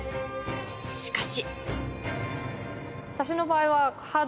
しかし。